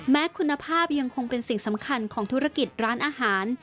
แม้คุณภาพยังคงเป็นสิ่งสำคัญของธุรกิจร้านอาหาร